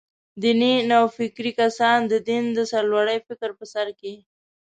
دیني نوفکري کسان «د دین د سرلوړۍ» فکر په سر کې.